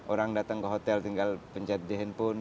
orang datang ke hotel tinggal pencet di handphone